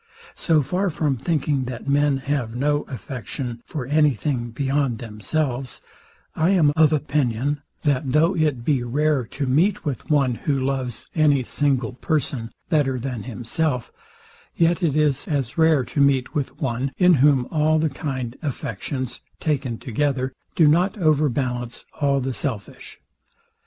So far from thinking, that men have no affection for any thing beyond themselves, I am of opinion, that though it be rare to meet with one, who loves any single person better than himself; yet it is as rare to meet with one, in whom all the kind affections, taken together, do not overbalance all the selfish.